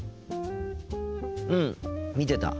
うん見てた。